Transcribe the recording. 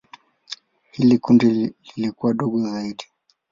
Hili kundi lilikuwa dogo zaidi.